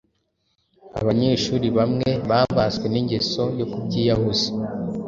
Abanyeshuri bamwe babaswe n’ingeso yo kubyiyahuza.